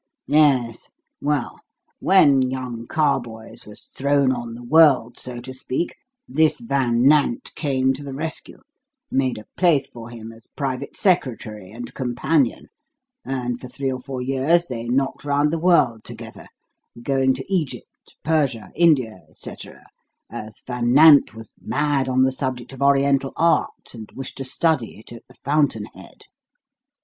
"Yes. Well, when young Carboys was thrown on the world, so to speak, this Van Nant came to the rescue, made a place for him as private secretary and companion, and for three or four years they knocked round the world together, going to Egypt, Persia, India, et cetera, as Van Nant was mad on the subject of Oriental art, and wished to study it at the fountain head.